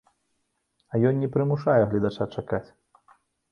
А ён не прымушае гледача чакаць!